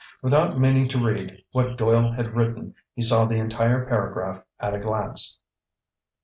Without meaning to read what Doyle had written, he saw the entire paragraph at a glance